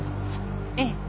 ええ。